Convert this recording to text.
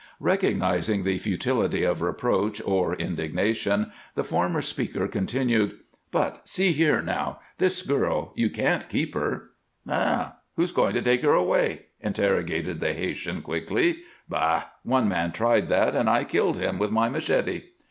Recognizing the futility of reproach or indignation, the former speaker continued: "But see here, now! This girl! You can't keep her." "Eh? Who's going to take her away?" interrogated the Haytian, quickly. "Bah! One man tried that, and I killed him with my machete."